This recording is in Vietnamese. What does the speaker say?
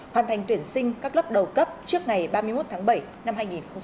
hoàn thành tuyển sinh các lớp đầu cấp trước ngày ba mươi một tháng bảy năm hai nghìn hai mươi